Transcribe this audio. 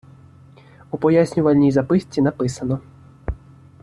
У пояснювальній записці написано.